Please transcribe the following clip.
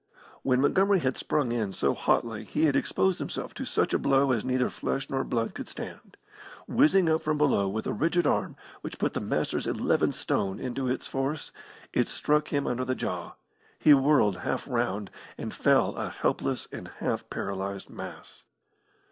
When Montgomery had sprung in so hotly he had exposed himself to such a blow as neither flesh nor blood could stand. Whizzing up from below with a rigid arm, which put the Master's eleven stone into its force, it struck him under the jaw; he whirled half round, and fell a helpless and half paralysed mass.